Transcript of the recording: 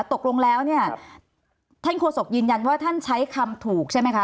ตกลงแล้วเนี่ยท่านโฆษกยืนยันว่าท่านใช้คำถูกใช่ไหมคะ